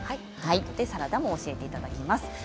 サラダも教えていただきます。